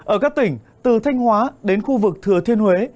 ở các tỉnh từ thanh hóa đến khu vực thừa thiên huế